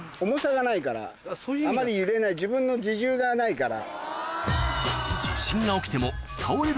自分の自重がないから。